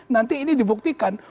nanti ini dibuktikan